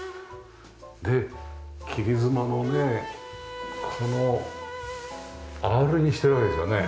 で切妻のねこのアールにしてるわけですよね。